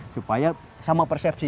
supaya sama persepsi